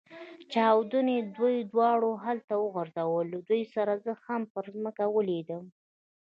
چاودنې دوی دواړه هلته وغورځول، له دوی سره زه هم پر مځکه ولوېدم.